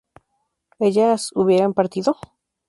¿ellas hubieran partido?